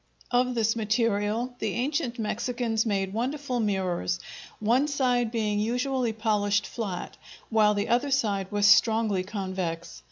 ] Of this material the ancient Mexicans made wonderful mirrors, one side being usually polished flat, while the other side was strongly convex.